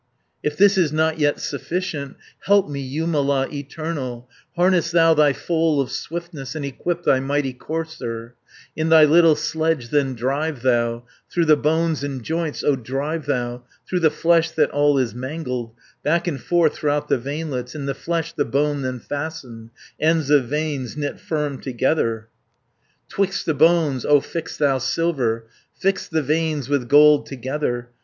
350 "If this is not yet sufficient, Help me, Jumala, Eternal, Harness thou thy foal of swiftness, And equip thy mighty courser, In thy little sledge then drive thou Through the bones and joints, O drive thou, Through the flesh that all is mangled, Back and forth, throughout the veinlets, In the flesh the bone then fasten, Ends of veins knit firm together, 360 'Twixt the bones, O fix thou silver, Fix the veins with gold together.